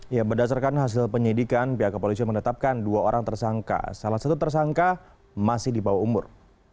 ya berdasarkan hasil penyidikan pihak kepolisian menetapkan dua orang tersangka salah satu tersangka masih di bawah umur